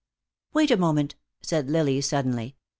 "Wait a moment," said Lily, suddenly.